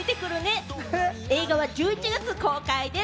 映画は１１月公開です。